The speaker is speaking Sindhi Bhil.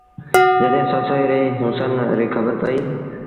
جڏهيݩ سسئيٚ ري هُسن ريٚ کبرپئيٚ۔